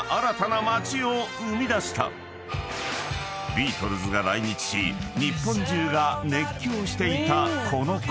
［ビートルズが来日し日本中が熱狂していたこのころ］